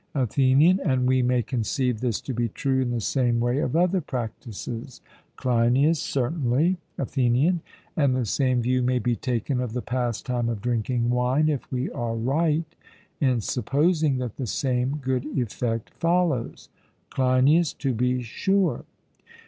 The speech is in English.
ATHENIAN: And we may conceive this to be true in the same way of other practices? CLEINIAS: Certainly. ATHENIAN: And the same view may be taken of the pastime of drinking wine, if we are right in supposing that the same good effect follows? CLEINIAS: To be sure.